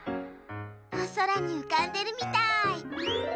おそらにうかんでるみたい。